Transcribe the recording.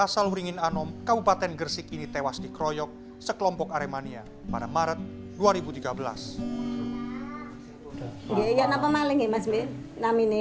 saya ingin ikhlas dan berdoa untuk nama nama yang saya inginkan